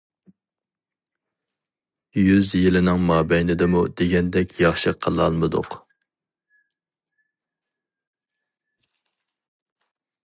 يۈز يىلنىڭ مابەينىدىمۇ دېگەندەك ياخشى قىلالمىدۇق.